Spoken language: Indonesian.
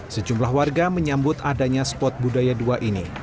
sejumlah warga menyambut adanya spot budaya dua ini